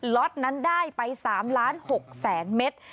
ล็อตนั้นได้ไป๓ล้าน๖แสนเมตร